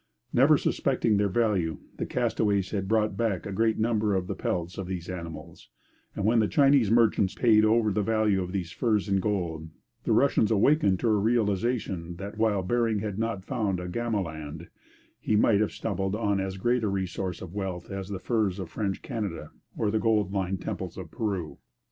Never suspecting their value, the castaways had brought back a great number of the pelts of these animals; and when the Chinese merchants paid over the value of these furs in gold, the Russians awakened to a realization that while Bering had not found a Gamaland, he might have stumbled on as great a source of wealth as the furs of French Canada or the gold lined temples of Peru.